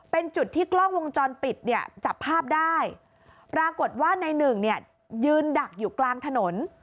เป็นจุดที่กล้องวงจรปิดจับภาพได้ปรากฏว่านายหนึ่งยืนดักอยู่กลางถนน